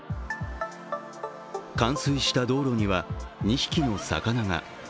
冠水した道路には２匹の魚が。